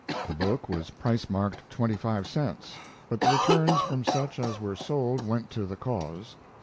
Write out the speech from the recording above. [The book was price marked twenty five cents, but the returns from such as were sold went to the cause.